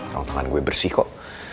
rontangan gue bersih kok